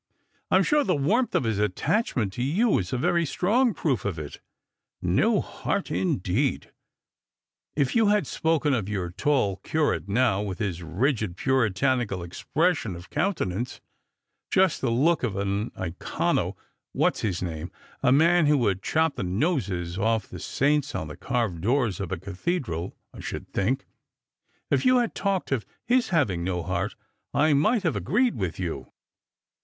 I'm sure the warmth of his attachment to you is a very strong proof of it. _ ISTo heart, indeed. If you had spoken of your tall curate now, with his rigid puritanical expression of countenance (just the look of an iconu — what's his name — a man who would chop the noses off the saints on the carved doors of a cathedral — I should think), if you had talked of his having no heart, I might have agreed with you."